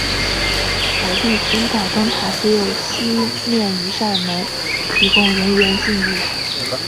火地群岛灯塔只有西面一扇门提供人员进入。